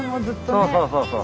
そうそうそうそう。